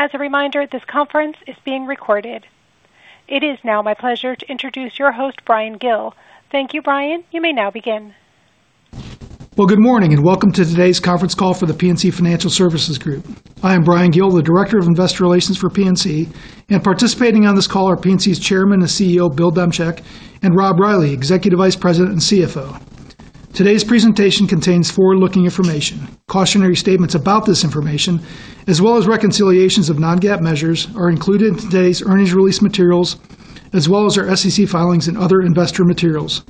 As a reminder, this conference is being recorded. It is now my pleasure to introduce your host, Bryan Gill. Thank you, Bryan. You may now begin. Well, good morning and welcome to today's conference call for The PNC Financial Services Group. I am Bryan Gill, the director of investor relations for PNC, and participating on this call are PNC's Chairman and CEO, Bill Demchak, and Rob Reilly, Executive Vice President and Chief Financial Officer. Today's presentation contains forward-looking information. Cautionary statements about this information, as well as reconciliations of non-GAAP measures, are included in today's earnings release materials, as well as our SEC filings and other investor materials.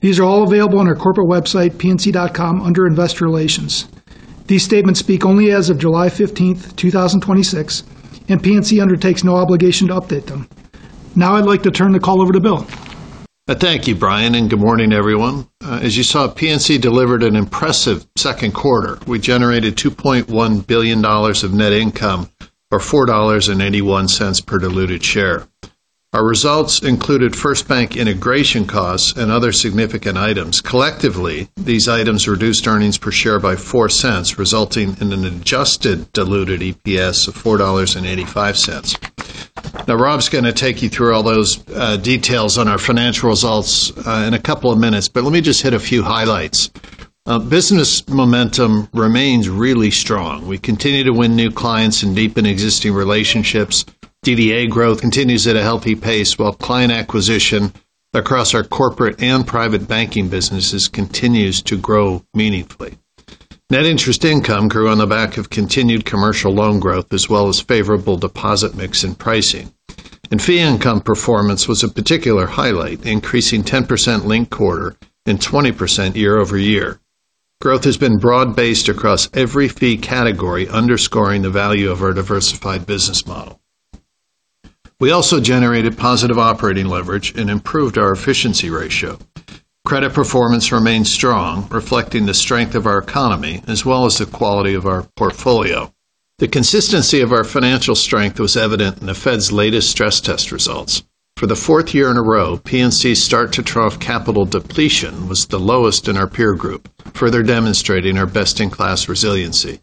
These are all available on our corporate website, pnc.com, under Investor Relations. These statements speak only as of July 15th, 2026. PNC undertakes no obligation to update them. Now I'd like to turn the call over to Bill. Thank you, Bryan, and good morning, everyone. As you saw, PNC delivered an impressive second quarter. We generated $2.1 billion of net income or $4.81 per diluted share. Our results included FirstBank integration costs and other significant items. Collectively, these items reduced earnings per share by $0.04, resulting in an adjusted diluted EPS of $4.85. Now Rob's going to take you through all those details on our financial results in a couple of minutes. Let me just hit a few highlights. Business momentum remains really strong. We continue to win new clients and deepen existing relationships. DDA growth continues at a healthy pace, while client acquisition across our corporate and private banking businesses continues to grow meaningfully. Net interest income grew on the back of continued commercial loan growth, as well as favorable deposit mix and pricing. Fee income performance was a particular highlight, increasing 10% linked quarter and 20% year-over-year. Growth has been broad-based across every fee category, underscoring the value of our diversified business model. We also generated positive operating leverage and improved our efficiency ratio. Credit performance remains strong, reflecting the strength of our economy as well as the quality of our portfolio. The consistency of our financial strength was evident in the Fed's latest stress test results. For the fourth year in a row, PNC's start to trough capital depletion was the lowest in our peer group, further demonstrating our best-in-class resiliency.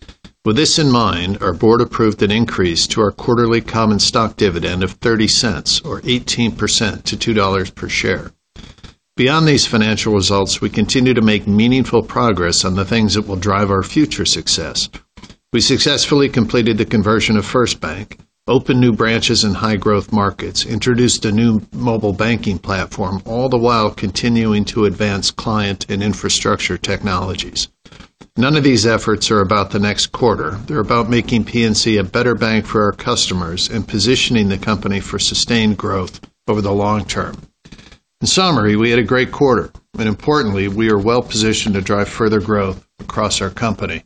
With this in mind, our board approved an increase to our quarterly common stock dividend of $0.30 or 18% to $2 per share. Beyond these financial results, we continue to make meaningful progress on the things that will drive our future success. We successfully completed the conversion of FirstBank, opened new branches in high growth markets, introduced a new mobile banking platform, all the while continuing to advance client and infrastructure technologies. None of these efforts are about the next quarter. They're about making PNC a better bank for our customers and positioning the company for sustained growth over the long term. In summary, we had a great quarter. Importantly, we are well-positioned to drive further growth across our company.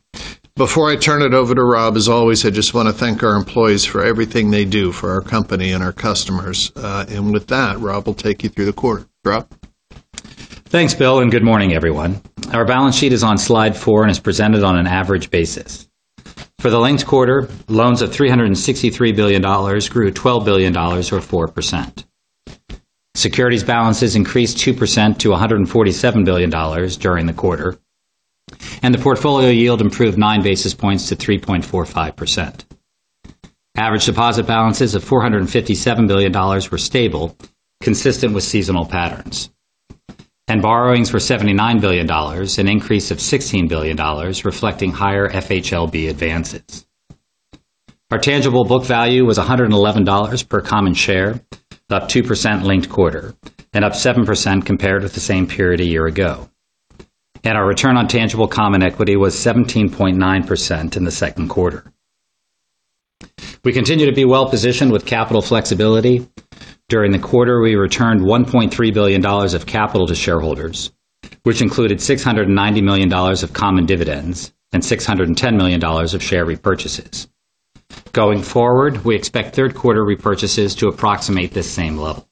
Before I turn it over to Rob, as always, I just want to thank our employees for everything they do for our company and our customers. With that, Rob will take you through the quarter. Rob? Thanks, Bill. Good morning, everyone. Our balance sheet is on slide four and is presented on an average basis. For the linked quarter, loans of $363 billion grew $12 billion or 4%. Securities balances increased 2% to $147 billion during the quarter, and the portfolio yield improved nine basis points to 3.45%. Average deposit balances of $457 billion were stable, consistent with seasonal patterns. Borrowings were $79 billion, an increase of $16 billion, reflecting higher FHLB advances. Our tangible book value was $111 per common share, up 2% linked quarter, and up 7% compared with the same period a year ago. Our return on tangible common equity was 17.9% in the second quarter. We continue to be well-positioned with capital flexibility. During the quarter, we returned $1.3 billion of capital to shareholders, which included $690 million of common dividends and $610 million of share repurchases. Going forward, we expect third quarter repurchases to approximate this same level.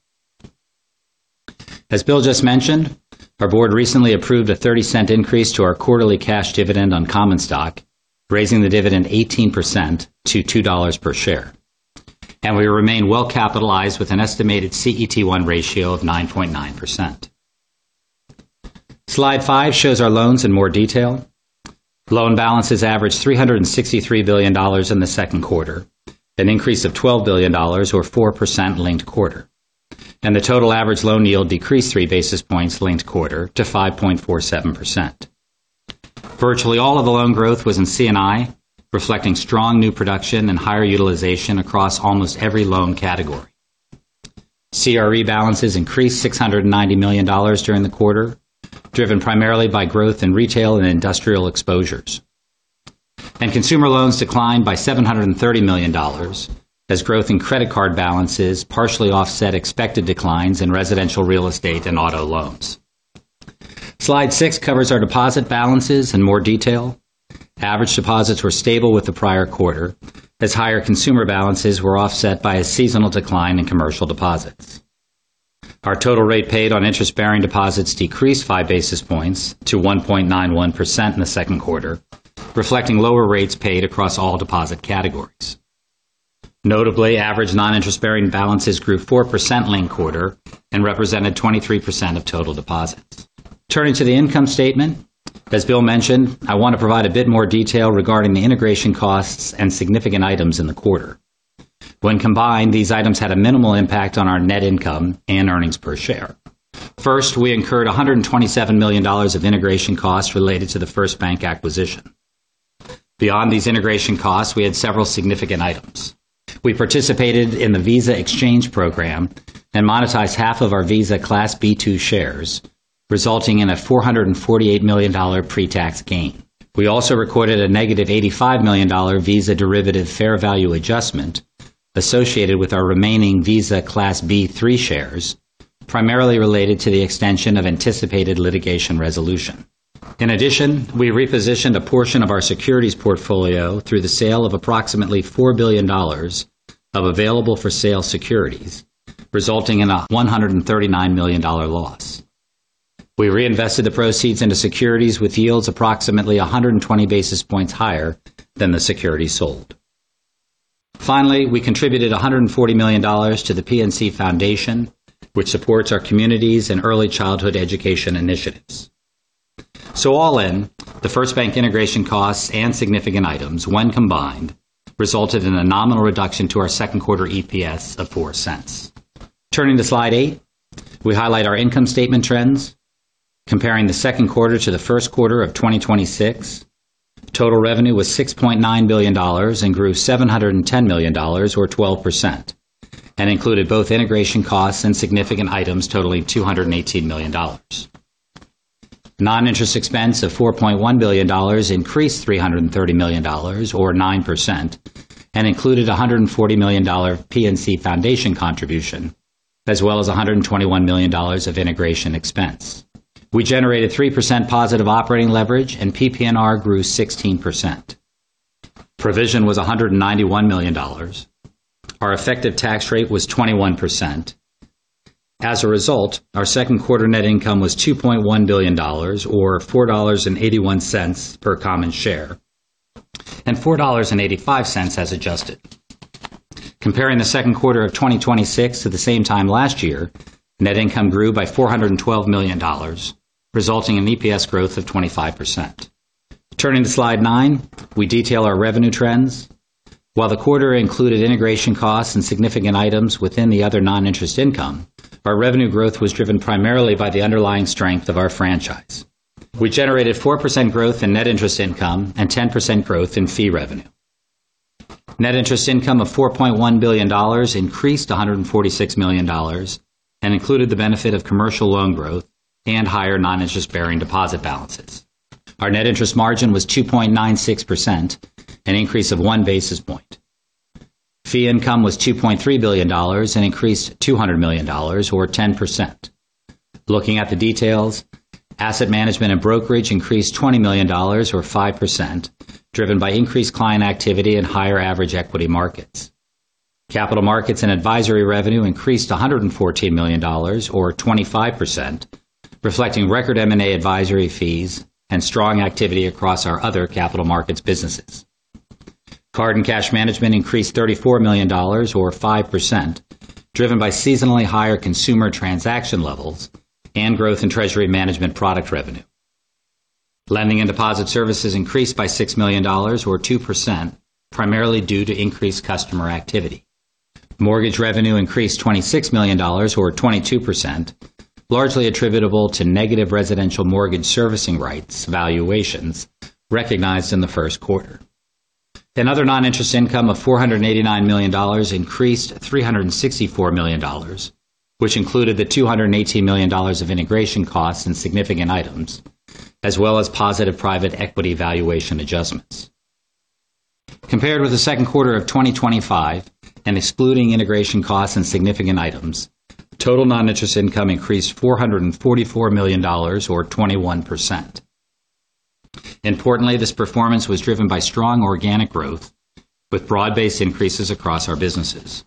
As Bill just mentioned, our board recently approved a $0.30 increase to our quarterly cash dividend on common stock, raising the dividend 18% to $2 per share. We remain well-capitalized with an estimated CET1 ratio of 9.9%. Slide five shows our loans in more detail. Loan balances averaged $363 billion in the second quarter, an increase of $12 billion or 4% linked quarter. The total average loan yield decreased three basis points linked quarter to 5.47%. Virtually all of the loan growth was in C&I, reflecting strong new production and higher utilization across almost every loan category. CRE balances increased $690 million during the quarter, driven primarily by growth in retail and industrial exposures. Consumer loans declined by $730 million as growth in credit card balances partially offset expected declines in residential real estate and auto loans. Slide six covers our deposit balances in more detail. Average deposits were stable with the prior quarter as higher consumer balances were offset by a seasonal decline in commercial deposits. Our total rate paid on interest-bearing deposits decreased five basis points to 1.91% in the second quarter, reflecting lower rates paid across all deposit categories. Notably, average non-interest-bearing balances grew 4% linked quarter and represented 23% of total deposits. Turning to the income statement As Bill mentioned, I want to provide a bit more detail regarding the integration costs and significant items in the quarter. When combined, these items had a minimal impact on our net income and earnings per share. First, we incurred $127 million of integration costs related to the FirstBank acquisition. Beyond these integration costs, we had several significant items. We participated in the Visa exchange program and monetized half of our Visa Class B-2 shares, resulting in a $448 million pre-tax gain. We also recorded a -$85 million Visa derivative fair value adjustment associated with our remaining Visa Class B-3 shares, primarily related to the extension of anticipated litigation resolution. In addition, we repositioned a portion of our securities portfolio through the sale of approximately $4 billion of available-for-sale securities, resulting in a $139 million loss. We reinvested the proceeds into securities with yields approximately 120 basis points higher than the securities sold. Finally, we contributed $140 million to the PNC Foundation, which supports our communities and early childhood education initiatives. All in, the FirstBank integration costs and significant items, when combined, resulted in a nominal reduction to our second quarter EPS of $0.04. Turning to slide eight, we highlight our income statement trends. Comparing the second quarter to the first quarter of 2026, total revenue was $6.9 billion and grew $710 million, or 12%, and included both integration costs and significant items totaling $218 million. Non-interest expense of $4.1 billion increased $330 million, or 9%, and included a $140 million PNC Foundation contribution, as well as $121 million of integration expense. We generated 3% positive operating leverage, and PPNR grew 16%. Provision was $191 million. Our effective tax rate was 21%. As a result, our second quarter net income was $2.1 billion, or $4.81 per common share, and $4.85 as adjusted. Comparing the second quarter of 2026 to the same time last year, net income grew by $412 million, resulting in EPS growth of 25%. Turning to slide nine, we detail our revenue trends. While the quarter included integration costs and significant items within the other non-interest income, our revenue growth was driven primarily by the underlying strength of our franchise. We generated 4% growth in net interest income and 10% growth in fee revenue. Net interest income of $4.1 billion increased $146 million and included the benefit of commercial loan growth and higher non-interest-bearing deposit balances. Our net interest margin was 2.96%, an increase of one basis point. Fee income was $2.3 billion and increased $200 million, or 10%. Looking at the details, asset management and brokerage increased $20 million, or 5%, driven by increased client activity and higher average equity markets. Capital markets and advisory revenue increased $114 million, or 25%, reflecting record M&A advisory fees and strong activity across our other capital markets businesses. Card and cash management increased $34 million, or 5%, driven by seasonally higher consumer transaction levels and growth in treasury management product revenue. Lending and deposit services increased by $6 million, or 2%, primarily due to increased customer activity. Mortgage revenue increased $26 million, or 22%, largely attributable to negative residential mortgage servicing rights valuations recognized in the first quarter. Other non-interest income of $489 million increased $364 million, which included the $218 million of integration costs and significant items, as well as positive private equity valuation adjustments. Compared with the second quarter of 2025 and excluding integration costs and significant items, total non-interest income increased $444 million, or 21%. Importantly, this performance was driven by strong organic growth with broad-based increases across our businesses.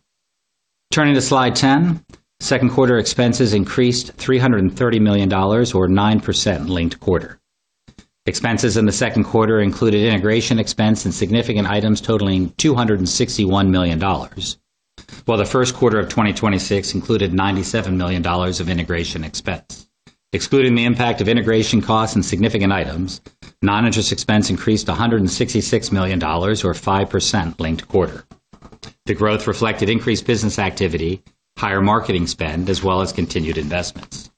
Turning to slide 10, second quarter expenses increased $330 million, or 9%, linked quarter. Expenses in the second quarter included integration expense and significant items totaling $261 million. The first quarter of 2026 included $97 million of integration expense. Excluding the impact of integration costs and significant items, non-interest expense increased to $166 million, or 5%, linked quarter. The growth reflected increased business activity, higher marketing spend, as well as continued investments.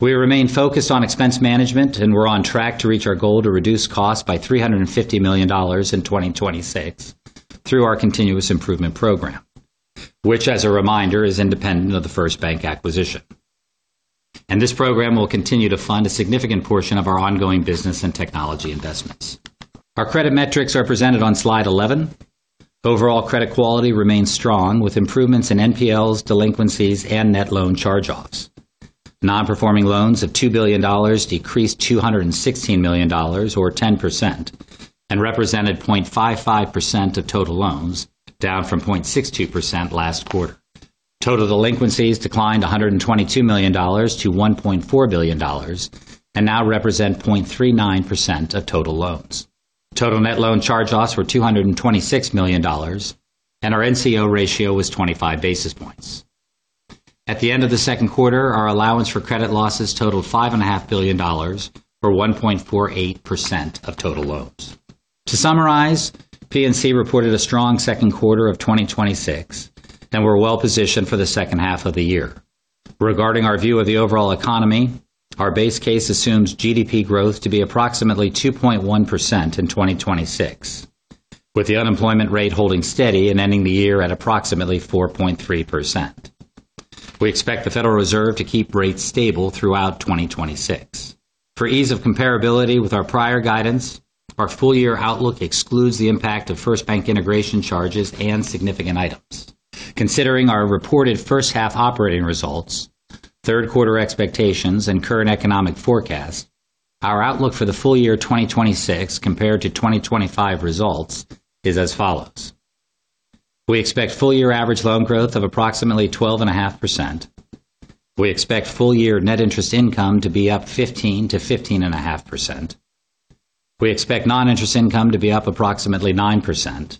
We remain focused on expense management and we're on track to reach our goal to reduce costs by $350 million in 2026 through our continuous improvement program. As a reminder, this is independent of the FirstBank acquisition. This program will continue to fund a significant portion of our ongoing business and technology investments. Our credit metrics are presented on slide 11. Overall credit quality remains strong, with improvements in NPLs, delinquencies, and net loan charge-offs. Non-performing loans of $2 billion decreased $216 million, or 10%, and represented 0.55% of total loans, down from 0.62% last quarter. Total delinquencies declined $122 million to $1.4 billion, and now represent 0.39% of total loans. Total net loan charge-offs were $226 million, and our NCO ratio was 25 basis points. At the end of the second quarter, our allowance for credit losses totaled $5.5 billion, or 1.48% of total loans. To summarize, PNC reported a strong second quarter of 2026, and we're well-positioned for the second half of the year. Regarding our view of the overall economy, our base case assumes GDP growth to be approximately 2.1% in 2026, with the unemployment rate holding steady and ending the year at approximately 4.3%. We expect the Federal Reserve to keep rates stable throughout 2026. For ease of comparability with our prior guidance, our full-year outlook excludes the impact of FirstBank integration charges and significant items. Considering our reported first-half operating results, third quarter expectations, and current economic forecast, our outlook for the full year 2026 compared to 2025 results is as follows. We expect full-year average loan growth of approximately 12.5%. We expect full-year net interest income to be up 15%-15.5%. We expect non-interest income to be up approximately 9%.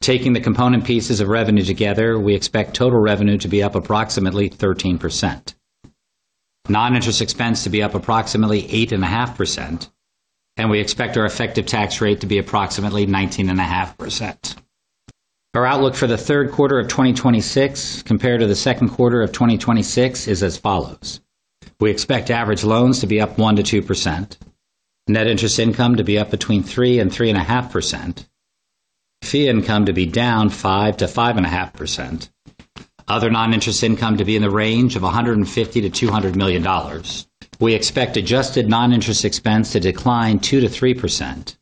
Taking the component pieces of revenue together, we expect total revenue to be up approximately 13%. Non-interest expense to be up approximately 8.5%, and we expect our effective tax rate to be approximately 19.5%. Our outlook for the third quarter of 2026 compared to the second quarter of 2026 is as follows. We expect average loans to be up 1%-2%, net interest income to be up between 3% and 3.5%, fee income to be down 5%-5.5%, other non-interest income to be in the range of $150 million-$200 million. We expect adjusted non-interest expense to decline 2%-3%,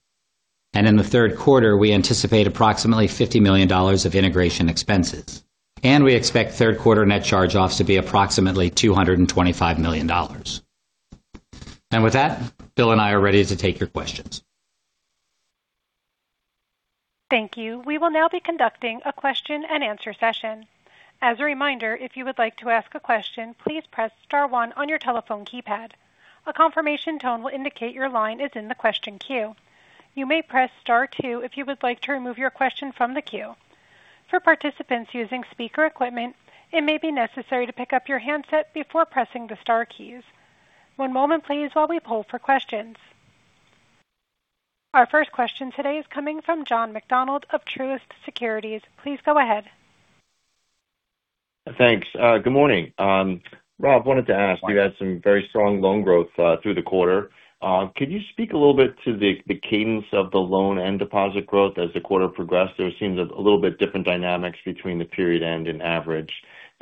and in the third quarter, we anticipate approximately $50 million of integration expenses. We expect third quarter net charge-offs to be approximately $225 million. With that, Bill and I are ready to take your questions. Thank you. We will now be conducting a question and answer session. As a reminder, if you would like to ask a question, please press star one on your telephone keypad. A confirmation tone will indicate your line is in the question queue. You may press star two if you would like to remove your question from the queue. For participants using speaker equipment, it may be necessary to pick up your handset before pressing the star keys. One moment please while we poll for questions. Our first question today is coming from John McDonald of Truist Securities. Please go ahead. Thanks. Good morning. Rob, wanted to ask- Hi. You had some very strong loan growth through the quarter. Could you speak a little bit to the cadence of the loan and deposit growth as the quarter progressed? There seems a little bit different dynamics between the period end and average.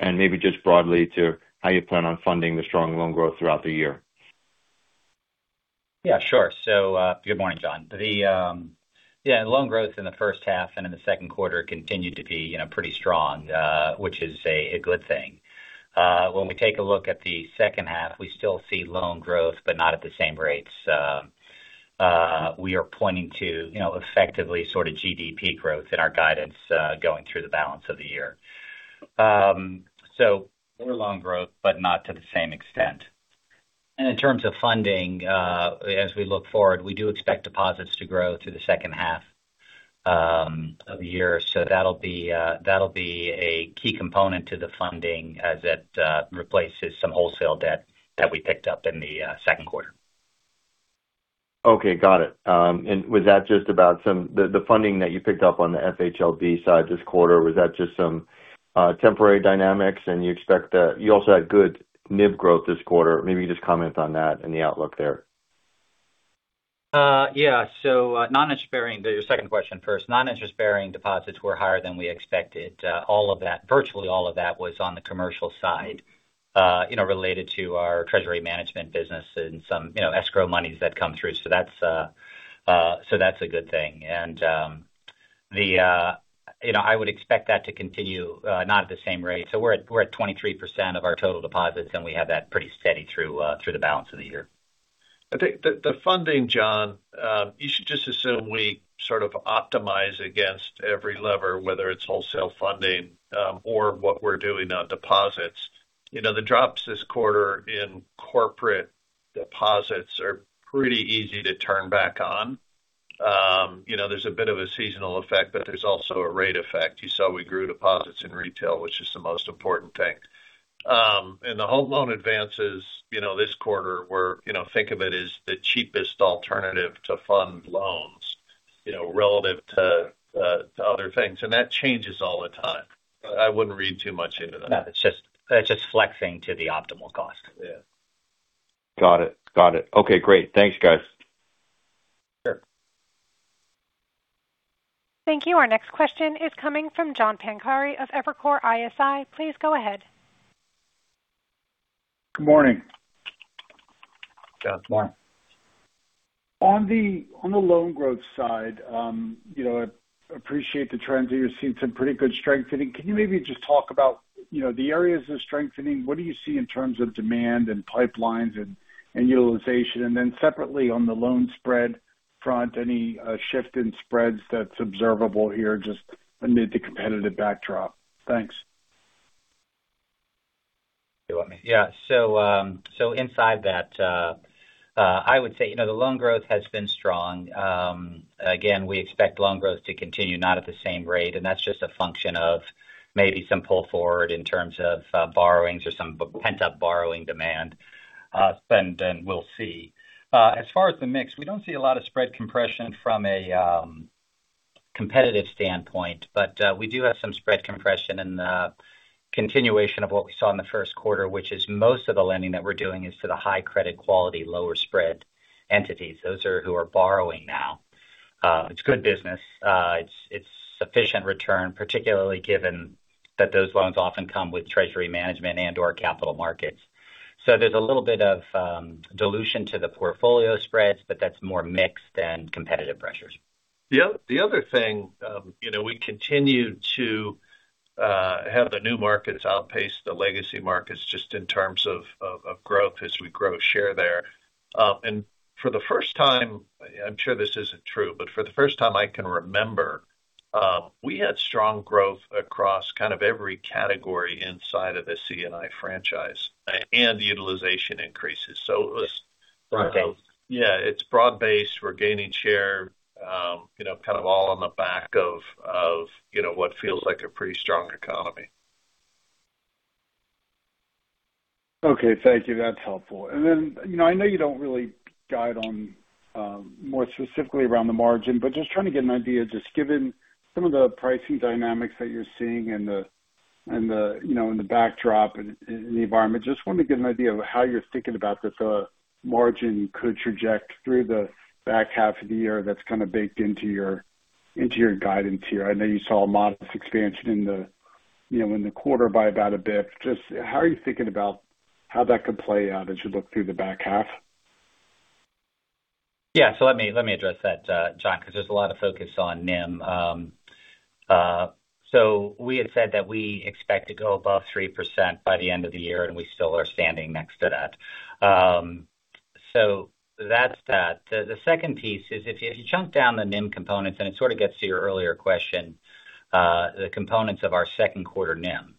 Maybe just broadly to how you plan on funding the strong loan growth throughout the year. Yeah, sure. Good morning, John. The loan growth in the first half and in the second quarter continued to be pretty strong, which is a good thing. When we take a look at the second half, we still see loan growth, but not at the same rates. We are pointing to effectively sort of GDP growth in our guidance going through the balance of the year. More loan growth, but not to the same extent. In terms of funding, as we look forward, we do expect deposits to grow through the second half of the year. That'll be a key component to the funding as it replaces some wholesale debt that we picked up in the second quarter. Okay. Got it. Was that just about some, the funding that you picked up on the FHLB side this quarter, was that just some temporary dynamics, and you expect that you also had good NIB growth this quarter? Maybe just comment on that and the outlook there. Yeah. Your second question first. Non-interest-bearing deposits were higher than we expected. Virtually all of that was on the commercial side related to our treasury management business and some escrow monies that come through. That's a good thing. I would expect that to continue, not at the same rate. We're at 23% of our total deposits, and we have that pretty steady through the balance of the year. I think the funding, John, you should just assume we sort of optimize against every lever, whether it's wholesale funding or what we're doing on deposits. The drops this quarter in corporate deposits are pretty easy to turn back on. There's a bit of a seasonal effect, but there's also a rate effect. You saw we grew deposits in retail, which is the most important thing. The home loan advances this quarter were, think of it as the cheapest alternative to fund loans relative to other things. That changes all the time. I wouldn't read too much into that. No, it's just flexing to the optimal cost. Yeah. Got it. Okay, great. Thanks, guys. Sure. Thank you. Our next question is coming from John Pancari of Evercore ISI. Please go ahead. Good morning. John. Good morning. On the loan growth side, I appreciate the trends here. You've seen some pretty good strengthening. Can you maybe just talk about the areas of strengthening? What do you see in terms of demand and pipelines and utilization? Then separately on the loan spread front, any shift in spreads that's observable here just amid the competitive backdrop? Thanks. Yeah. Inside that, I would say the loan growth has been strong. Again, we expect loan growth to continue, not at the same rate. That's just a function of maybe some pull forward in terms of borrowings or some pent-up borrowing demand. We'll see. As far as the mix, we don't see a lot of spread compression from a competitive standpoint. We do have some spread compression in the continuation of what we saw in the first quarter, which is most of the lending that we're doing is to the high credit quality, lower spread entities. Those are who are borrowing now. It's good business. It's sufficient return, particularly given that those loans often come with treasury management and/or capital markets. There's a little bit of dilution to the portfolio spreads, but that's more mix than competitive pressures. The other thing, we continue to have the new markets outpace the legacy markets just in terms of growth as we grow share there. For the first time, I'm sure this isn't true, but for the first time I can remember, we had strong growth across every category inside of the C&I franchise and utilization increases. Broad-based. Yeah. It's broad-based. We're gaining share all on the back of what feels like a pretty strong economy. Okay. Thank you. That's helpful. I know you don't really guide on more specifically around the margin, but just trying to get an idea, just given some of the pricing dynamics that you're seeing in the backdrop in the environment. Just wanted to get an idea of how you're thinking about the margin could traject through the back half of the year that's kind of baked into your guidance here. I know you saw a modest expansion in the quarter by about a bit. Just how are you thinking about how that could play out as you look through the back half? Yeah. Let me address that, John, because there's a lot of focus on NIM. We had said that we expect to go above 3% by the end of the year, and we still are standing next to that. That's that. The second piece is if you chunk down the NIM components, and it sort of gets to your earlier question, the components of our second quarter NIM.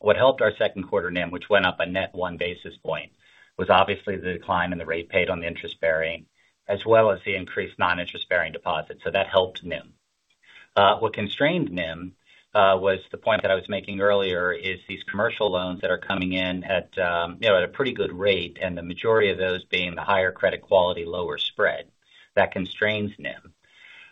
What helped our second quarter NIM, which went up a net one basis point, was obviously the decline in the rate paid on the interest-bearing, as well as the increased non-interest-bearing deposits. That helped NIM. What constrained NIM was the point that I was making earlier, is these commercial loans that are coming in at a pretty good rate, and the majority of those being the higher credit quality, lower spread. That constrains NIM.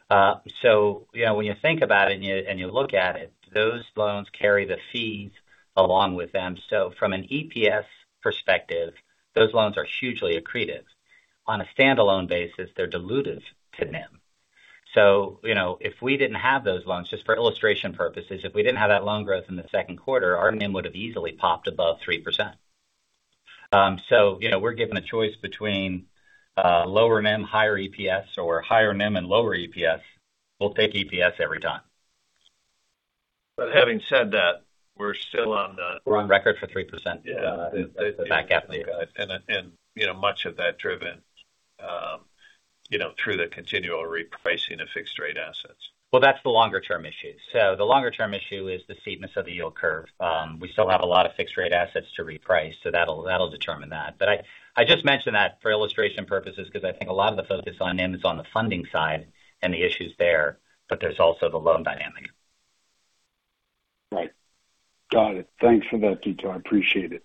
When you think about it and you look at it, those loans carry the fees along with them. From an EPS perspective, those loans are hugely accretive. On a standalone basis, they're dilutive to NIM. If we didn't have those loans, just for illustration purposes, if we didn't have that loan growth in the second quarter, our NIM would have easily popped above 3%. We're given a choice between lower NIM, higher EPS or higher NIM and lower EPS. We'll take EPS every time. Having said that, we're still on the- We're on record for 3% the back half of the year. Much of that driven through the continual repricing of fixed rate assets. Well, that's the longer term issue. The longer term issue is the steepness of the yield curve. We still have a lot of fixed rate assets to reprice, so that'll determine that. I just mentioned that for illustration purposes because I think a lot of the focus on NIM is on the funding side and the issues there, but there's also the loan dynamic. Right. Got it. Thanks for that detail. I appreciate it.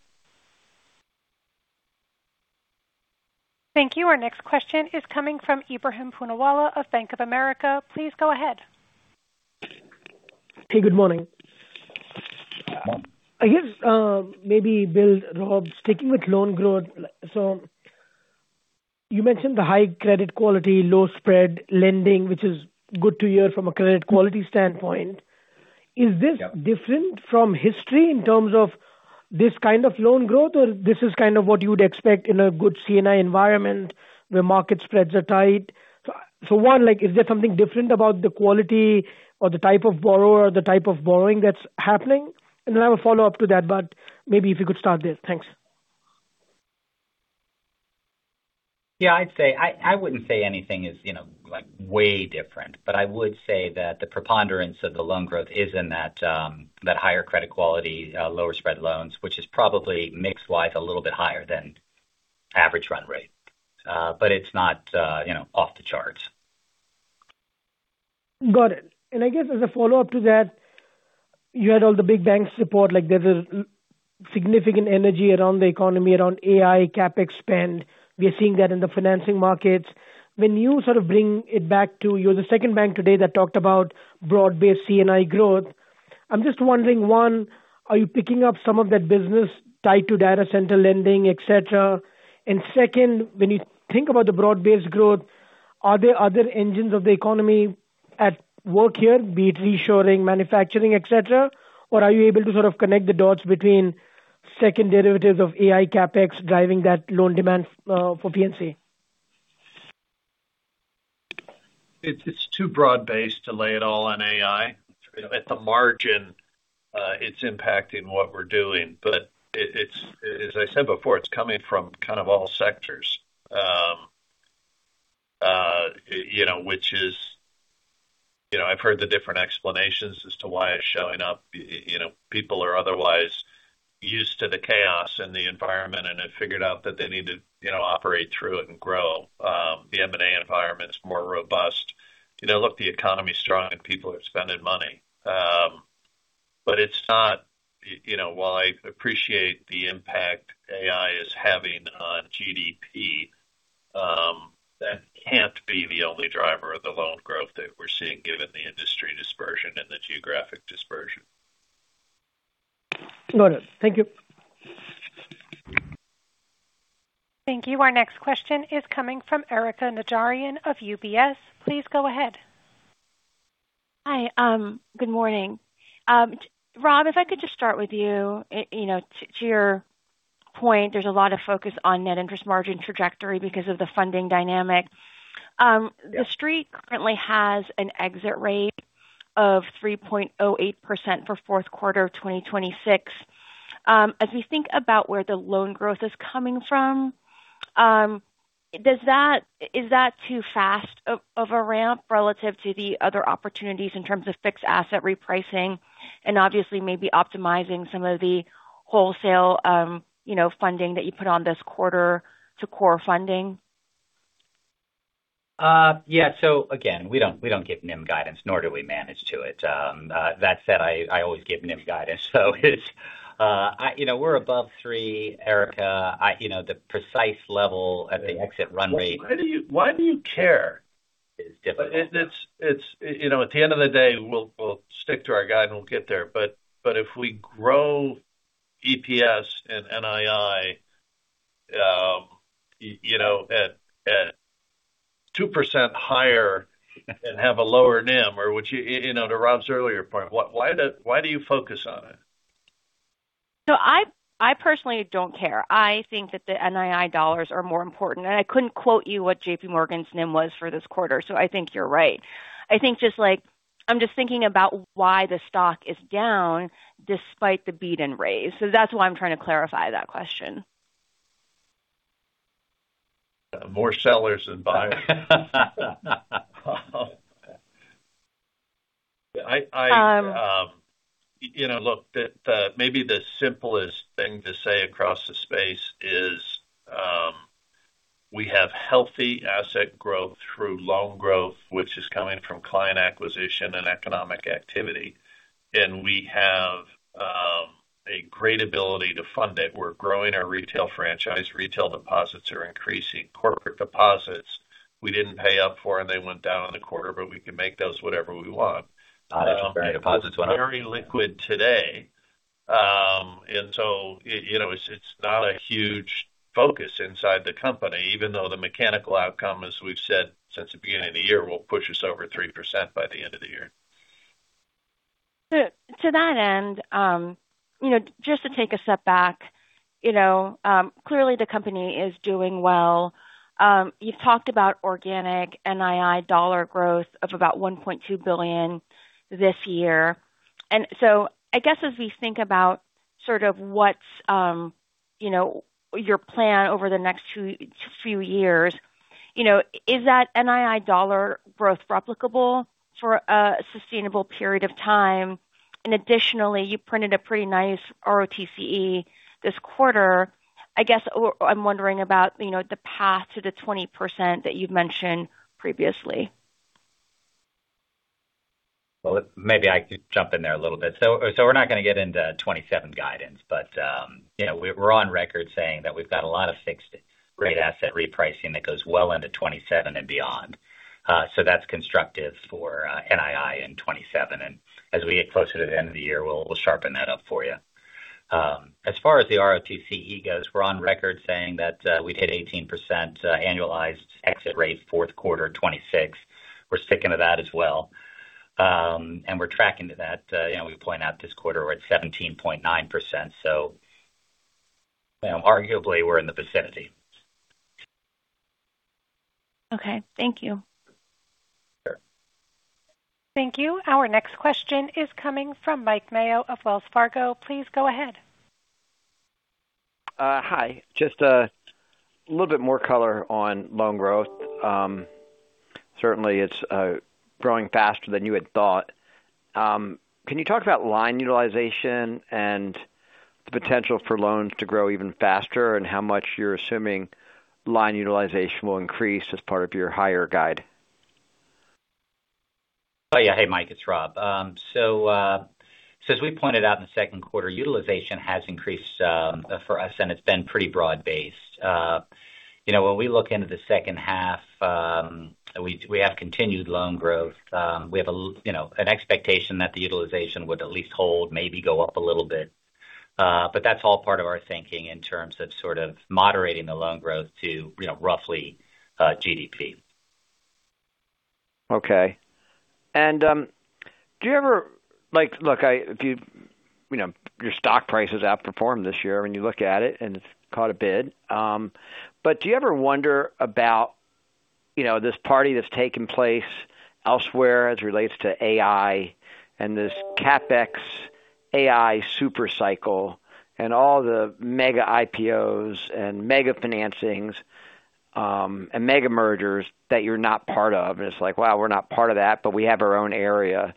Thank you. Our next question is coming from Ebrahim Poonawala of Bank of America. Please go ahead. Hey, good morning. I guess maybe Bill Rob sticking with loan growth. You mentioned the high credit quality, low spread lending, which is good to hear from a credit quality standpoint. Yeah. Is this different from history in terms of this kind of loan growth? This is kind of what you would expect in a good C&I environment where market spreads are tight. One, is there something different about the quality or the type of borrower or the type of borrowing that's happening? Then I have a follow-up to that, but maybe if you could start there. Thanks. Yeah. I wouldn't say anything is way different, I would say that the preponderance of the loan growth is in that higher credit quality, lower spread loans, which is probably mix-wise a little bit higher than average run rate. It's not off the charts. Got it. I guess as a follow-up to that, you had all the big banks report like there's a significant energy around the economy, around AI, CapEx spend. We are seeing that in the financing markets. When you sort of bring it back to you're the second bank today that talked about broad-based C&I growth. I'm just wondering, one, are you picking up some of that business tied to data center lending, et cetera? Second, when you think about the broad-based growth, are there other engines of the economy at work here, be it reshoring, manufacturing, et cetera? Or are you able to sort of connect the dots between second derivatives of AI CapEx driving that loan demand for PNC? It's too broad-based to lay it all on AI. At the margin it's impacting what we're doing. As I said before, it's coming from kind of all sectors. Which is, I've heard the different explanations as to why it's showing up. People are otherwise used to the chaos in the environment and have figured out that they need to operate through it and grow. The M&A environment is more robust. Look, the economy's strong. People are spending money. While I appreciate the impact AI is having on GDP, that can't be the only driver of the loan growth that we're seeing given the industry dispersion and the geographic dispersion. Noted. Thank you. Thank you. Our next question is coming from Erika Najarian of UBS. Please go ahead. Hi. Good morning. Rob, if I could just start with you. To your point, there's a lot of focus on net interest margin trajectory because of the funding dynamic. Yeah. The Street currently has an exit rate of 3.08% for fourth quarter of 2026. As we think about where the loan growth is coming from, is that too fast of a ramp relative to the other opportunities in terms of fixed asset repricing and obviously maybe optimizing some of the wholesale funding that you put on this quarter to core funding? Yeah. Again, we don't give NIM guidance, nor do we manage to it. That said, I always give NIM guidance, we're above three, Erika. The precise level at the exit run rate. Why do you care? Is difficult. At the end of the day, we'll stick to our guide, and we'll get there. If we grow EPS and NII at 2% higher and have a lower NIM, to Rob's earlier point, why do you focus on it? I personally don't care. I think that the NII dollars are more important, and I couldn't quote you what JPMorgan's NIM was for this quarter, so I think you're right. I'm just thinking about why the stock is down despite the beat and raise. That's why I'm trying to clarify that question. More sellers than buyers. Look, maybe the simplest thing to say across the space is we have healthy asset growth through loan growth which is coming from client acquisition and economic activity. We have a great ability to fund it. We're growing our retail franchise. Retail deposits are increasing. Corporate deposits we didn't pay up for, and they went down in the quarter, but we can make those whatever we want. Not as great deposits. We're very liquid today. It's not a huge focus inside the company even though the mechanical outcome, as we've said since the beginning of the year, will push us over 3% by the end of the year. To that end, just to take a step back, clearly the company is doing well. You've talked about organic NII dollar growth of about $1.2 billion this year, I guess as we think about sort of what's your plan over the next few years, is that NII dollar growth replicable for a sustainable period of time? Additionally, you printed a pretty nice ROTCE this quarter. I guess I'm wondering about the path to the 20% that you've mentioned previously. Well, maybe I could jump in there a little bit. We're not going to get into 2027 guidance, but we're on record saying that we've got a lot of fixed rate asset repricing that goes well into 2027 and beyond. That's constructive for NII in 2027. As we get closer to the end of the year, we'll sharpen that up for you. As far as the ROTCE goes, we're on record saying that we'd hit 18% annualized exit rate fourth quarter 2026. We're sticking to that as well. We're tracking to that. We point out this quarter we're at 17.9%, so arguably we're in the vicinity. Okay. Thank you. Sure. Thank you. Our next question is coming from Mike Mayo of Wells Fargo. Please go ahead. Hi. Just a little bit more color on loan growth. Certainly it's growing faster than you had thought. Can you talk about line utilization and the potential for loans to grow even faster, and how much you're assuming line utilization will increase as part of your higher guide? Oh, yeah. Hey, Mike, it's Rob. As we pointed out in the second quarter, utilization has increased for us, and it's been pretty broad based. When we look into the second half, we have continued loan growth. We have an expectation that the utilization would at least hold, maybe go up a little bit. That's all part of our thinking in terms of sort of moderating the loan growth to roughly GDP. Okay. Look, your stock price has outperformed this year when you look at it, and it's caught a bid. Do you ever wonder about this party that's taken place elsewhere as relates to AI and this CapEx AI super cycle and all the mega IPOs and mega financings, and mega mergers that you're not part of, and it's like, wow, we're not part of that, but we have our own area.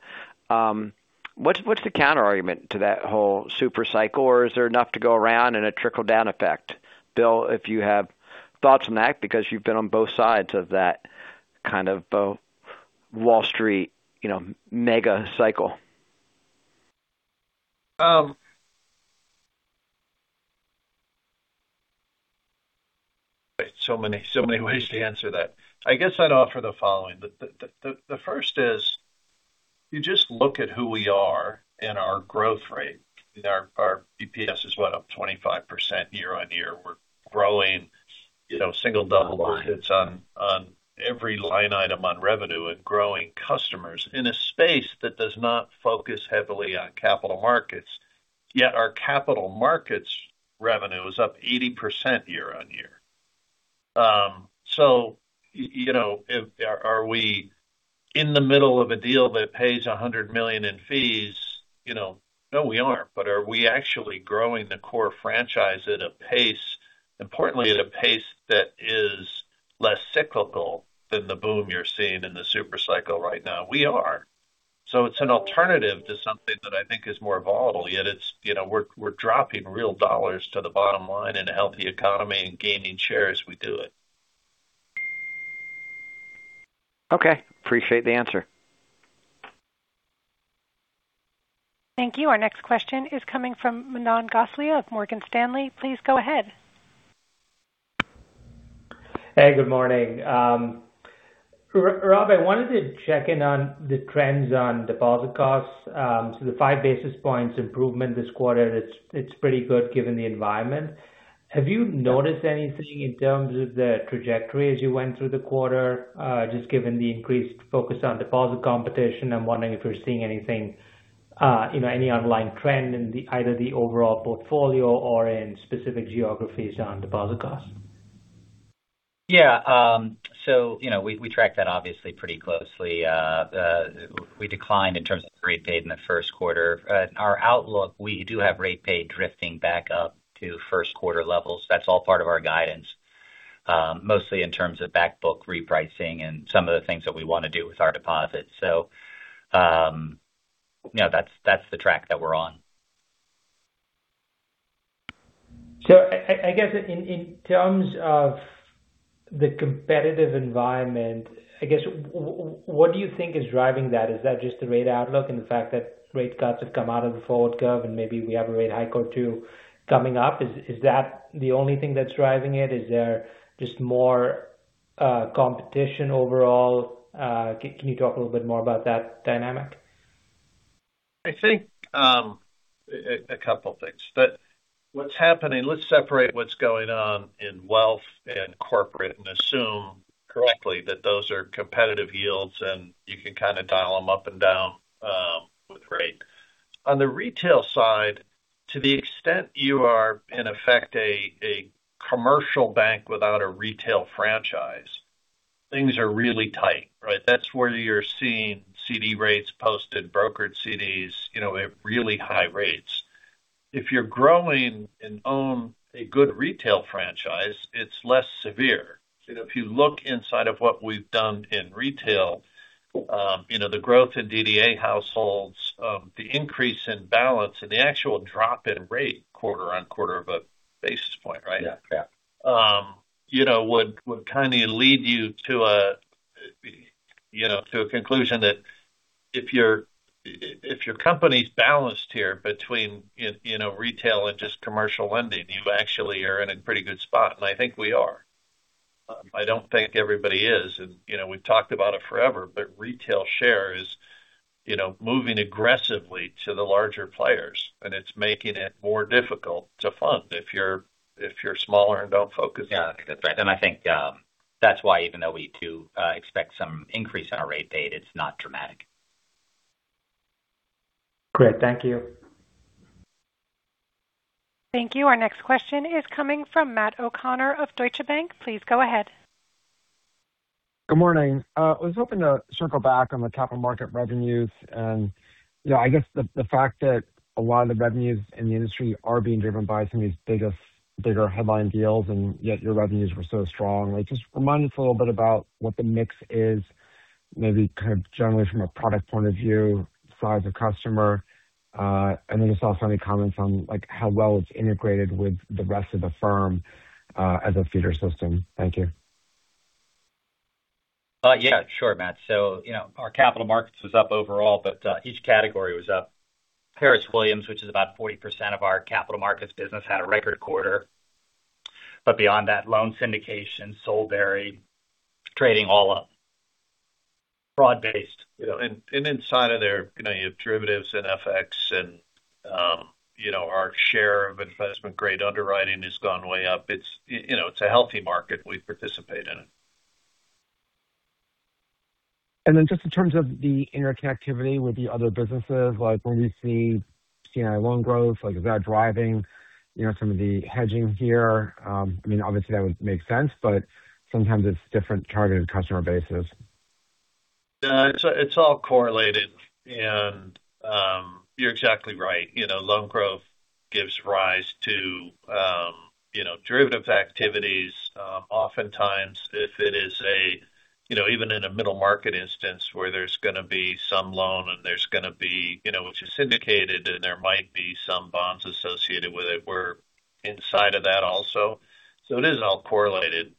What's the counterargument to that whole super cycle? Is there enough to go around in a trickle-down effect? Bill, if you have thoughts on that because you've been on both sides of that kind of Wall Street mega cycle. Many ways to answer that. I guess I'd offer the following. The first is you just look at who we are and our growth rate. Our EPS is what? Up 25% year-on-year. We're growing single double digits on every line item on revenue and growing customers in a space that does not focus heavily on capital markets. Yet our capital markets revenue is up 80% year-on-year. Are we in the middle of a deal that pays $100 million in fees? No, we aren't. Are we actually growing the core franchise at a pace, importantly, at a pace that is less cyclical than the boom you're seeing in the super cycle right now? We are. It's an alternative to something that I think is more volatile, yet we're dropping real dollars to the bottom line in a healthy economy and gaining share as we do it. Okay. Appreciate the answer. Thank you. Our next question is coming from Manan Gosalia of Morgan Stanley. Please go ahead. Hey, good morning. Rob, I wanted to check in on the trends on deposit costs. The five basis points improvement this quarter, it's pretty good given the environment. Have you noticed anything in terms of the trajectory as you went through the quarter? Just given the increased focus on deposit competition, I'm wondering if you're seeing anything, any underlying trend in either the overall portfolio or in specific geographies on deposit costs. Yeah. We track that obviously pretty closely. We declined in terms of rate paid in the first quarter. Our outlook, we do have rate paid drifting back up to first quarter levels. That's all part of our guidance. Mostly in terms of back book repricing and some of the things that we want to do with our deposits. That's the track that we're on. I guess in terms of the competitive environment, I guess what do you think is driving that? Is that just the rate outlook and the fact that rate cuts have come out of the forward curve and maybe we have a rate hike or two coming up? Is that the only thing that's driving it? Is there just more competition overall? Can you talk a little bit more about that dynamic? I think a couple things. Let's separate what's going on in wealth and corporate and assume correctly that those are competitive yields and you can kind of dial them up and down with rate. On the retail side, to the extent you are in effect a commercial bank without a retail franchise, things are really tight, right? That's where you're seeing CD rates posted, brokered CDs at really high rates. If you're growing and own a good retail franchise, it's less severe. If you look inside of what we've done in retail, the growth in DDA households, the increase in balance and the actual drop in rate quarter-on-quarter of a basis point, right? Yeah. Would kind of lead you to a conclusion that if your company's balanced here between retail and just commercial lending, you actually are in a pretty good spot, and I think we are. I don't think everybody is, and we've talked about it forever, but retail share is moving aggressively to the larger players, and it's making it more difficult to fund if you're smaller and don't focus on it. Yeah, I think that's right. I think that's why even though we do expect some increase in our rate paid, it's not dramatic. Great. Thank you. Thank you. Our next question is coming from Matt O'Connor of Deutsche Bank. Please go ahead. Good morning. I was hoping to circle back on the capital market revenues. I guess the fact that a lot of the revenues in the industry are being driven by some of these bigger headline deals, yet your revenues were so strong. Just remind us a little bit about what the mix is, maybe kind of generally from a product point of view, size of customer. Then just also any comments on how well it's integrated with the rest of the firm as a feeder system. Thank you. Sure, Matt. Our capital markets was up overall, but each category was up. Harris Williams, which is about 40% of our capital markets business, had a record quarter. Beyond that, loan syndication, Solebury Capital, trading all up. Broad-based. Inside of there, you have derivatives and FX and our share of investment grade underwriting has gone way up. It's a healthy market. We participate in it. Just in terms of the interconnectivity with the other businesses, like C&I loan growth. Is that driving some of the hedging here? Obviously that would make sense, but sometimes it's different targeted customer bases. It's all correlated, and you're exactly right. Loan growth gives rise to derivative activities. Oftentimes, even in a middle market instance where there's going to be some loan, which is syndicated, and there might be some bonds associated with it. We're inside of that also. It is all correlated.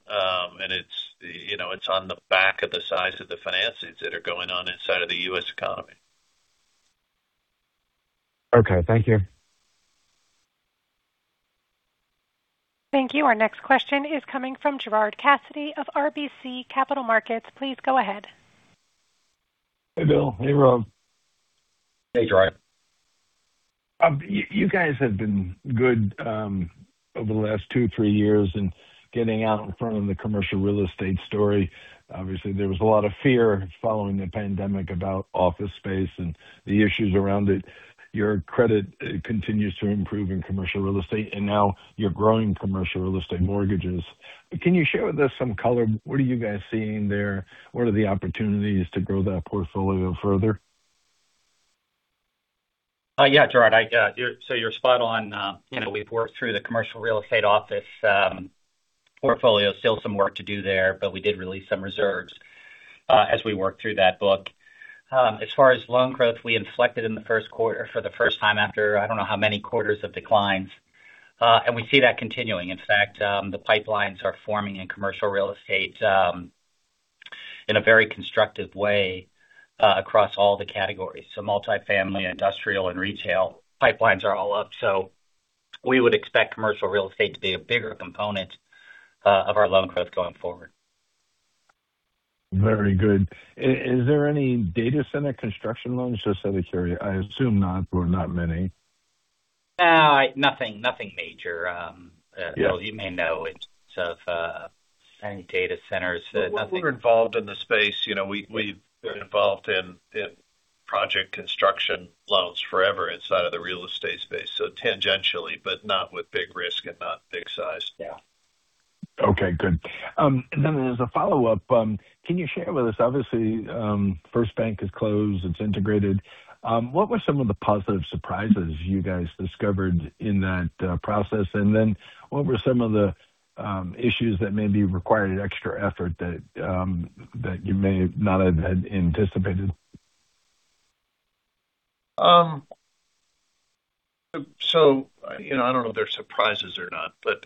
It's on the back of the size of the financings that are going on inside of the U.S. economy. Okay. Thank you. Thank you. Our next question is coming from Gerard Cassidy of RBC Capital Markets. Please go ahead. Hey, Bill. Hey, Rob. Hey, Gerard. You guys have been good over the last two, three years in getting out in front of the commercial real estate story. Obviously, there was a lot of fear following the pandemic about office space and the issues around it. Your credit continues to improve in commercial real estate, and now you're growing commercial real estate mortgages. Can you share with us some color? What are you guys seeing there? What are the opportunities to grow that portfolio further? Yeah. Gerard, you're spot on. We've worked through the commercial real estate office portfolio. Still some work to do there, but we did release some reserves as we worked through that book. As far as loan growth, we inflected in the first quarter for the first time after I don't know how many quarters of declines. We see that continuing. In fact, the pipelines are forming in commercial real estate in a very constructive way across all the categories. Multifamily, industrial, and retail pipelines are all up. We would expect commercial real estate to be a bigger component of our loan growth going forward. Very good. Is there any data center construction loans, just out of curiosity? I assume not, or not many. Nothing major. Yeah. Bill, you may know in terms of any data centers. We're involved in the space. We've been involved in project construction loans forever inside of the real estate space. Tangentially, but not with big risk and not big size. Yeah. Okay, good. As a follow-up, can you share with us, obviously, FirstBank is closed, it's integrated. What were some of the positive surprises you guys discovered in that process? What were some of the issues that maybe required extra effort that you may not have had anticipated? I don't know if they're surprises or not, but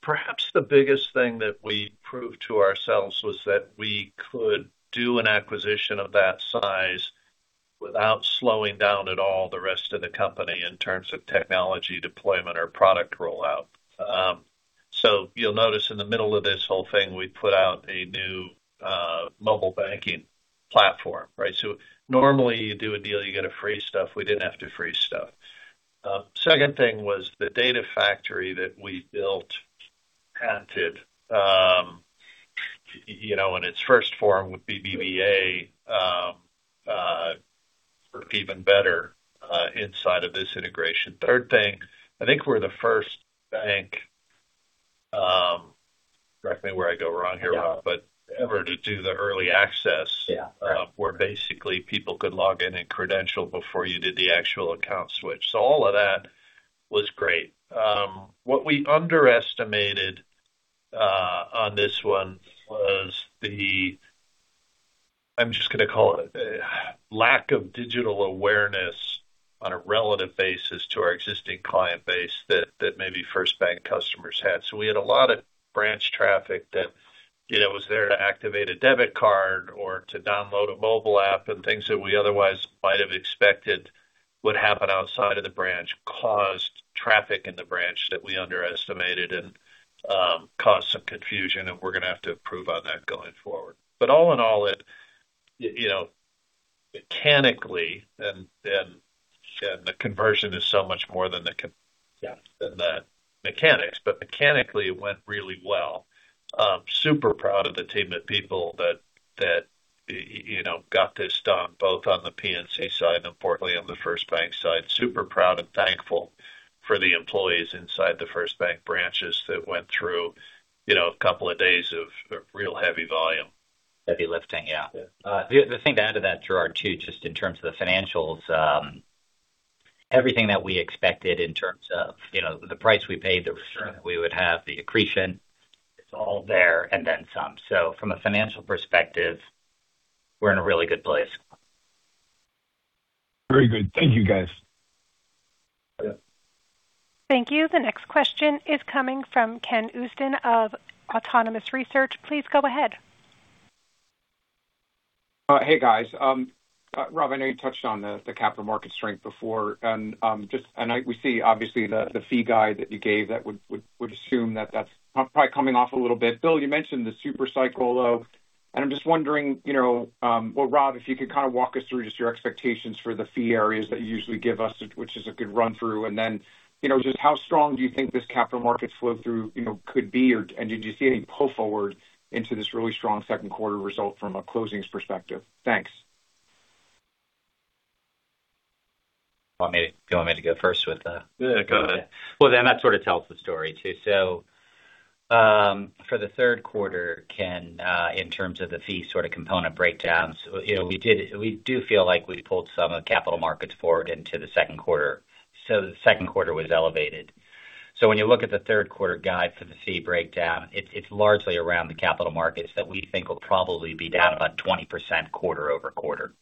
perhaps the biggest thing that we proved to ourselves was that we could do an acquisition of that size without slowing down at all the rest of the company in terms of technology deployment or product rollout. You'll notice in the middle of this whole thing, we put out a new mobile banking platform. Normally you do a deal, you get to freeze stuff. We didn't have to freeze stuff. Second thing was the data factory that we built, patented, in its first form with BBVA, worked even better inside of this integration. Third thing, I think we're the first bank, correct me where I go wrong here, Rob. Yeah. Ever to do the early access- Yeah. Where basically people could log in and credential before you did the actual account switch. All of that was great. What we underestimated on this one was the, I'm just going to call it a lack of digital awareness on a relative basis to our existing client base that maybe FirstBank customers had. We had a lot of branch traffic that was there to activate a debit card or to download a mobile app, and things that we otherwise might have expected would happen outside of the branch caused traffic in the branch that we underestimated and caused some confusion, and we're going to have to improve on that going forward. All in all, mechanically, and the conversion is so much more than the- Yeah. Mechanics. Mechanically, it went really well. I'm super proud of the team of people that got this done, both on the PNC side and importantly on the FirstBank side. Super proud and thankful for the employees inside the FirstBank branches that went through a couple of days of real heavy volume. Heavy lifting. Yeah. Yeah. The thing to add to that, Gerard, too, just in terms of the financials. Everything that we expected in terms of the price we paid, the return we would have, the accretion, it's all there and then some. From a financial perspective, we're in a really good place. Very good. Thank you guys. Yeah. Thank you. The next question is coming from Ken Usdin of Autonomous Research. Please go ahead. Hey, guys. Rob, I know you touched on the capital market strength before. We see obviously the fee guide that you gave that would assume that that's probably coming off a little bit. Bill, you mentioned the super cycle, though. I'm just wondering, Rob, if you could kind of walk us through just your expectations for the fee areas that you usually give us, which is a good run through. How strong do you think this capital market flow through could be, and did you see any pull forward into this really strong second quarter result from a closings perspective? Thanks. Want me to go first with the- Yeah, go ahead. That sort of tells the story too. For the third quarter, Ken, in terms of the fee sort of component breakdowns, we do feel like we pulled some of capital markets forward into the second quarter. The second quarter was elevated. When you look at the third quarter guide for the fee breakdown, it's largely around the capital markets that we think will probably be down about 20% quarter-over-quarter.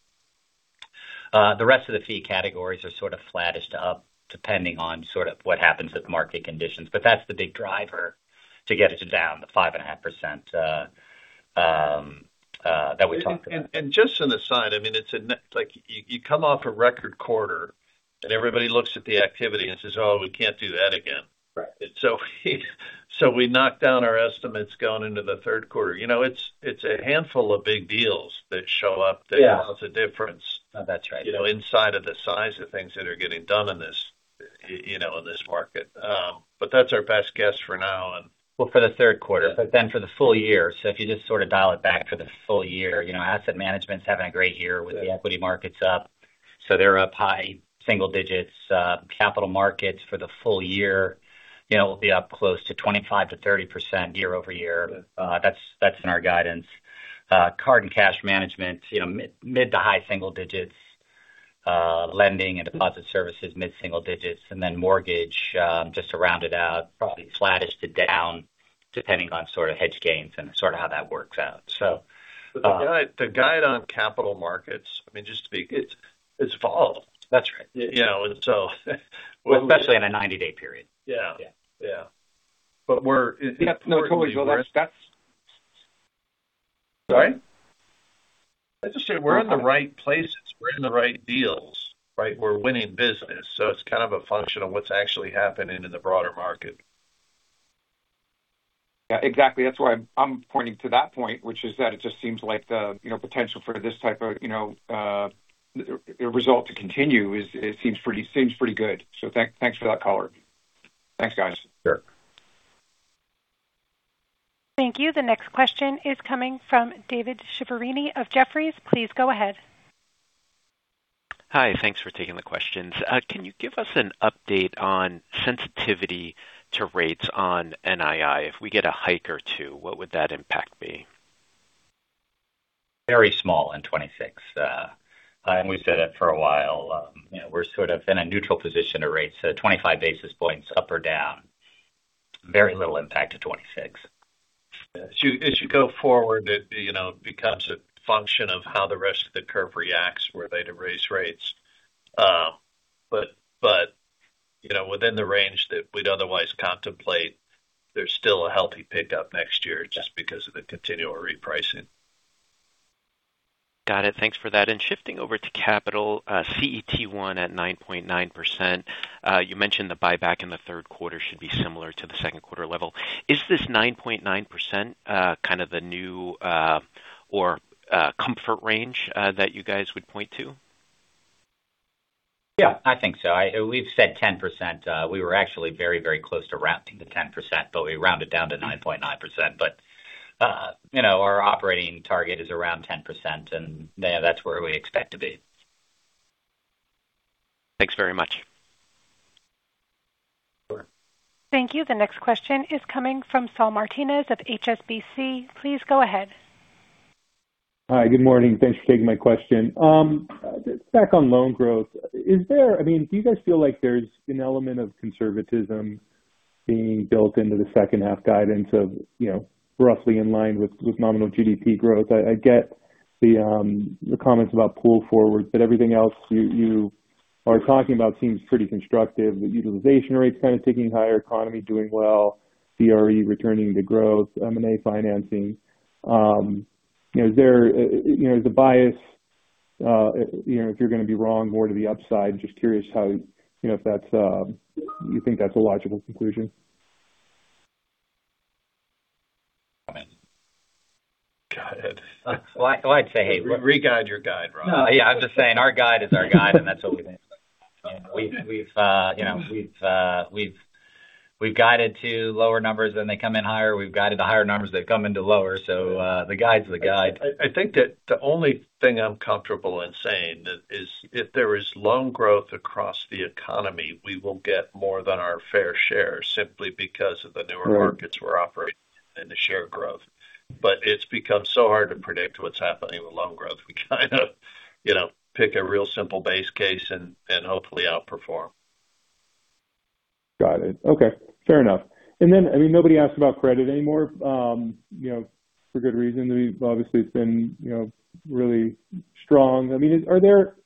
The rest of the fee categories are sort of flattish to up, depending on sort of what happens with market conditions. That's the big driver to get us down the 5.5% that we talked about. Just on the side, you come off a record quarter, and everybody looks at the activity and says, "Oh, we can't do that again. Right. We knock down our estimates going into the third quarter. It's a handful of big deals that show up. Yeah. That makes a difference. That's right. Inside of the size of things that are getting done in this market. That's our best guess for now. For the third quarter. For the full year, so if you just sort of dial it back for the full year, asset management's having a great year with the equity markets up, so they're up high single digits. Capital markets for the full year will be up close to 25%-30% year-over-year. Good. That's in our guidance. Card and cash management, mid to high single digits. Lending and deposit services, mid-single digits. Mortgage, just to round it out, probably flattish to down, depending on sort of hedge gains and sort of how that works out. The guide on capital markets, I mean, just to be clear, it's volatile. That's right. You know, and so we- Especially in a 90-day period. Yeah. Yeah. Yeah. Yeah. No, totally. Sorry? I just said we're in the right places. We're in the right deals. We're winning business. It's kind of a function of what's actually happening in the broader market. Yeah, exactly. That's why I'm pointing to that point, which is that it just seems like the potential for this type of result to continue seems pretty good. Thanks for that color. Thanks, guys. Sure. Thank you. The next question is coming from David Chiaverini of Jefferies. Please go ahead. Hi. Thanks for taking the questions. Can you give us an update on sensitivity to rates on NII? If we get a hike or two, what would that impact be? Very small in 2026. We've said it for a while. We're sort of in a neutral position to rates, so 25 basis points up or down. Very little impact to 2026. As you go forward, it becomes a function of how the rest of the curve reacts were they to raise rates. Within the range that we'd otherwise contemplate, there's still a healthy pickup next year just because of the continual repricing. Got it. Thanks for that. Shifting over to capital CET1 at 9.9%. You mentioned the buyback in the third quarter should be similar to the second quarter level. Is this 9.9% kind of the new comfort range that you guys would point to? Yeah, I think so. We've said 10%. We were actually very close to rounding to 10%, but we rounded down to 9.9%. Our operating target is around 10%, and that's where we expect to be. Thanks very much. Sure. Thank you. The next question is coming from Saul Martinez of HSBC. Please go ahead. Hi. Good morning. Thanks for taking my question. Back on loan growth. Do you guys feel like there's an element of conservatism being built into the second half guidance of roughly in line with nominal GDP growth? I get the comments about pull forward, everything else you are talking about seems pretty constructive. The utilization rates kind of ticking higher, economy doing well, CRE returning to growth, M&A financing. Is the bias if you're going to be wrong more to the upside? Just curious if you think that's a logical conclusion. Got it. Well, I'd say. Re-guide your guide, Rob. I'm just saying our guide is our guide, and that's what we think. We've guided to lower numbers, they come in higher. We've guided to higher numbers, they've come into lower. The guide's the guide. I think that the only thing I'm comfortable in saying is if there is loan growth across the economy, we will get more than our fair share simply because of the newer markets we're operating in and the share growth. It's become so hard to predict what's happening with loan growth. We kind of pick a real simple base case and hopefully outperform. Got it. Okay. Fair enough. Nobody asks about credit anymore, for good reason. Obviously, it's been really strong. Are there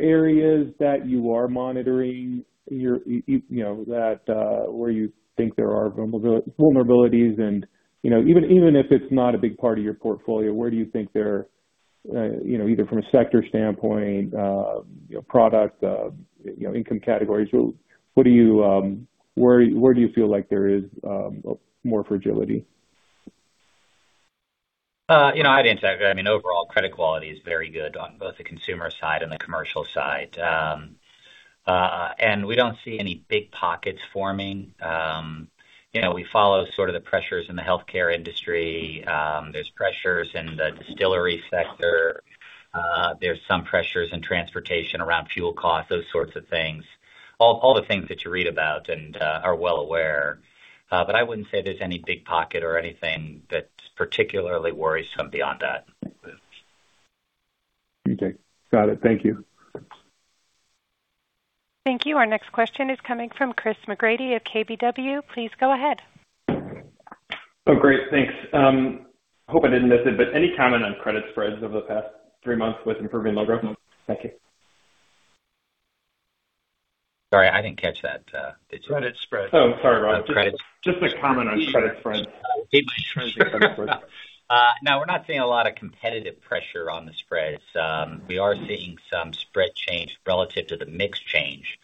areas that you are monitoring where you think there are vulnerabilities? Even if it's not a big part of your portfolio, where do you think they're, either from a sector standpoint, product, income categories, where do you feel like there is more fragility? I'd interact. Overall credit quality is very good on both the consumer side and the commercial side. We don't see any big pockets forming. We follow sort of the pressures in the healthcare industry. There's pressures in the distillery sector. There's some pressures in transportation around fuel costs, those sorts of things, all the things that you read about and are well aware. I wouldn't say there's any big pocket or anything that particularly worries me beyond that. Okay. Got it. Thank you. Thank you. Our next question is coming from Chris McGratty of KBW. Please go ahead. Great. Thanks. Hope I didn't miss it, any comment on credit spreads over the past three months with improving loan growth? Thank you. Sorry, I didn't catch that. Did you? Credit spread. Oh, sorry, Rob. Credit. Just a comment on credit spreads. We're not seeing a lot of competitive pressure on the spreads. We are seeing some spread change relative to the mix change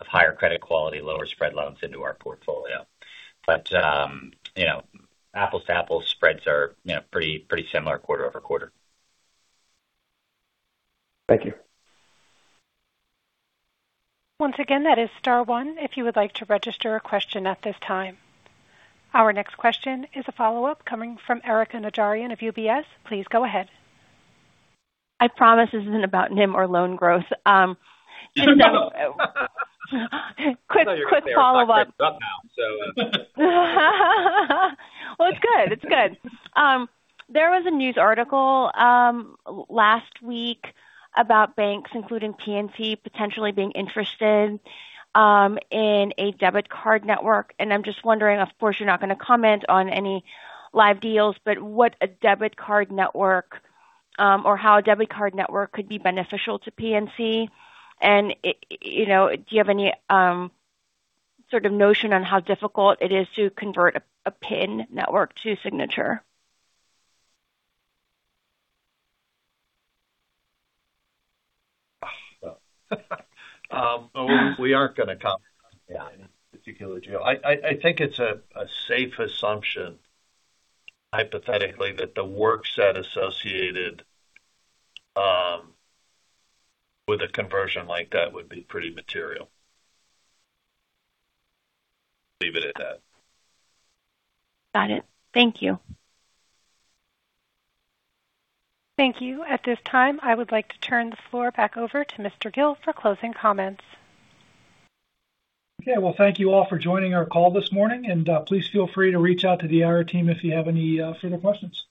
of higher credit quality, lower spread loans into our portfolio. Apples to apples spreads are pretty similar quarter-over-quarter. Thank you. Once again, that is star one, if you would like to register a question at this time. Our next question is a follow-up coming from Erika Najarian of UBS. Please go ahead. I promise this isn't about NIM or loan growth. I thought you were going to say, "I read the stuff now. Well, it's good. There was a news article last week about banks, including PNC, potentially being interested in a debit card network. I'm just wondering, of course, you're not going to comment on any live deals, but what a debit card network, or how a debit card network could be beneficial to PNC? Do you have any sort of notion on how difficult it is to convert a PIN network to signature? We aren't going to comment on any particular deal. I think it's a safe assumption, hypothetically, that the work set associated with a conversion like that would be pretty material. Leave it at that. Got it. Thank you. Thank you. At this time, I would like to turn the floor back over to Mr. Gill for closing comments. Okay. Well, thank you all for joining our call this morning, and please feel free to reach out to the IR team if you have any further questions.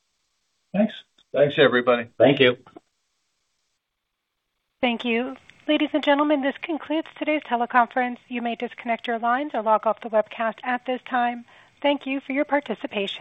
Thanks. Thanks everybody. Thank you. Thank you. Ladies and gentlemen, this concludes today's teleconference. You may disconnect your lines or log off the webcast at this time. Thank you for your participation.